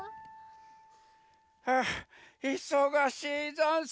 はあいそがしいざんす。